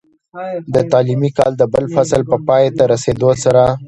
د تعليمي کال د بل فصل په پای ته رسېدو سره،